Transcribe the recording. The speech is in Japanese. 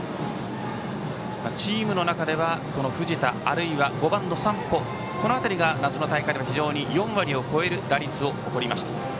チームの中では藤田、あるいは山保この辺りが夏の大会でも４割を超える打率を誇りました。